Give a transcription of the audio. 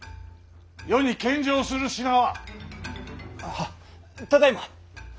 はっただいま！